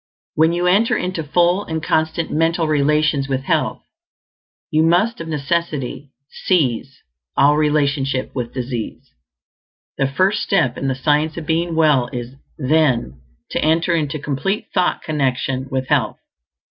When you enter into full and constant mental relations with health, you must of necessity cease all relationship with disease. The first step in the Science of Being Well is, then, to enter into complete thought connection with health.